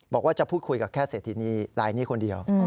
บอกว่าจะพูดคุยกับแค่เศรษฐินีลายนี้คนเดียว